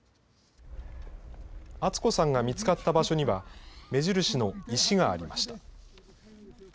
厚子さんが見つかった場所には、目印の石がありました。